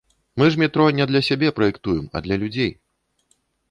Мы ж метро не для сябе праектуем, а для людзей.